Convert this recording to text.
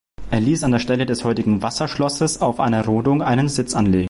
Er ließ an der Stelle des heutigen Wasserschlosses auf einer Rodung einen Sitz anlegen.